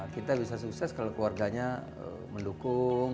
kita bisa sukses kalau keluarganya mendukung